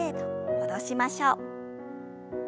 戻しましょう。